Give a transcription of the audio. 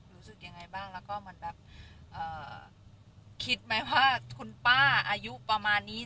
รู้สึกยังไงบ้างแล้วก็เหมือนแบบคิดไหมว่าคุณป้าอายุประมาณนี้